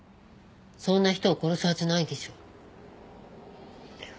そんな人を殺すはずないでしょ。